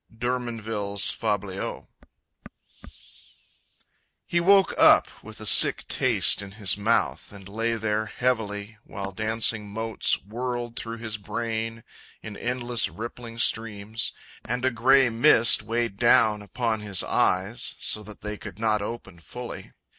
D'Hermonville's Fabliaux. He woke up with a sick taste in his mouth And lay there heavily, while dancing motes Whirled through his brain in endless, rippling streams, And a grey mist weighed down upon his eyes So that they could not open fully.